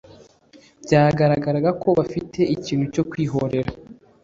byagaragaraga ko bafite ikintu cyo kwihorera